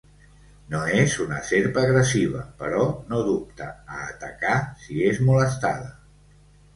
No és una serp agressiva, però no dubta a atacar si és molestada.